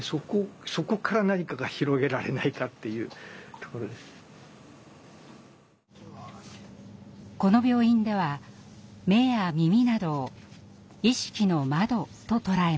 今ここにいるこの病院では目や耳などを「意識の窓」と捉えます。